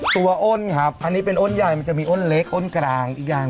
อ้นครับอันนี้เป็นอ้นใหญ่มันจะมีอ้นเล็กอ้นกลางอีกอย่าง